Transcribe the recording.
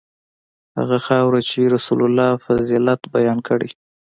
هغه خاوره چې رسول الله فضیلت بیان کړی.